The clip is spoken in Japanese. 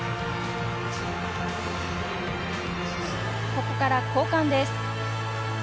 ここから交換です。